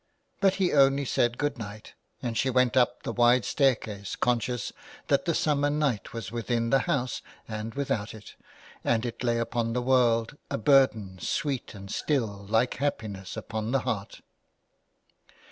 But he only said good night, and she went up the wide staircase conscious that the summer night was within the house and without it ; that it lay upon the world, a burden sweet and still, like happiness upon the heart.